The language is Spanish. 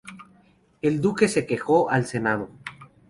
El duque se quejó al senado.